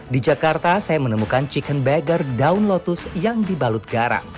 di jakarta saya menemukan chicken bagger daun lotus yang dibalut garam